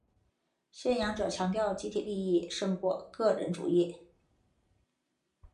信仰者强调集体利益胜过个人主义。